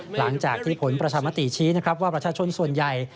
หลังจากที่ผลประชามติชี้นะครับว่าประชาชนส่วนใหญ่